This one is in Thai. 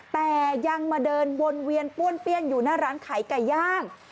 แต่ยังมาเดินวนเวียนป้วนเปี้ยนอยู่หน้าร้านขายไก่ย่าง